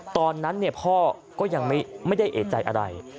ตอนนั้นพ่อก็ยังไม่ได้เอกใจอะไร